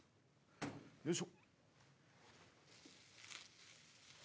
よいしょ。